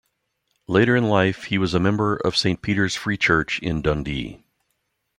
Later in life, he was a member of Saint Peter's Free Church in Dundee.